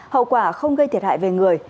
hậu quả không gây thiệt hại về người